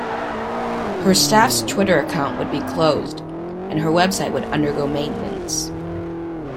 Her staff's Twitter account would be closed and her website would undergo maintenance.